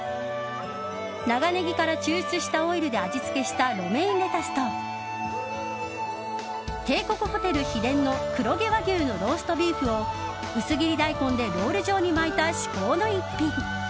長ネギから抽出したオイルで味付けしたロメインレタスと帝国ホテル秘伝の黒毛和牛のローストビーフを薄切り大根でロール状に巻いた至高の一品。